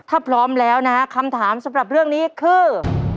ถ้าพร้อมแล้วนะฮะคำถามสำหรับเรื่องนี้คือ